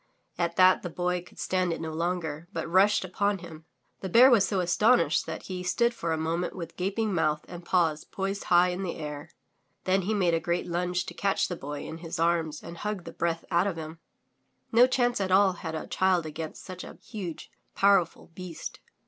At that the Boy could stand it no longer, but rushed upon him. The Bear was so astonished that he i66 THROUGH FAIRY HALLS Stood for a moment with gaping mouth and paws poised high in the air. Then he made a great lunge to catch the Boy in his arms and hug the breath out of him. No chance at all had a child against such a huge, powerful beast.